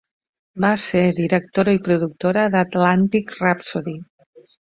Va ser directora i productora d'"Atlantic Rhapsody".